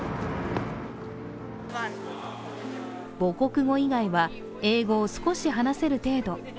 母国語以外は、英語を少し話せる程度。